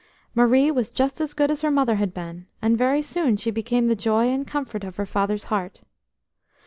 Marie was just as good as her mother had been, and very soon she became the joy and comfort of her father's heart.